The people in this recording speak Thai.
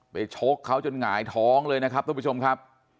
ชกเขาจนหงายท้องเลยนะครับทุกผู้ชมครับ